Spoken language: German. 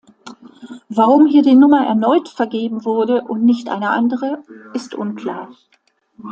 Warum hier die Nummer erneut vergeben wurde und nicht eine andere, ist unklar.